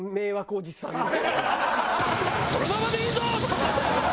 「そのままでいいぞ！」。